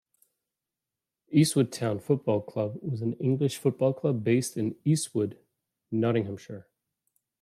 Eastwood Town Football Club was an English football club based in Eastwood, Nottinghamshire.